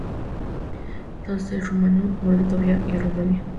Los del rumano: Moldavia y Rumanía.